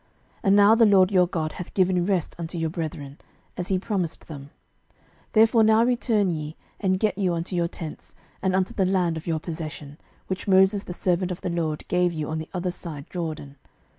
06:022:004 And now the LORD your God hath given rest unto your brethren, as he promised them: therefore now return ye, and get you unto your tents, and unto the land of your possession, which Moses the servant of the LORD gave you on the other side Jordan.